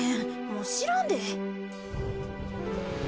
もうしらんで。